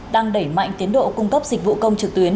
đang đẩy mạnh tiến độ cung cấp dịch vụ công trực tuyến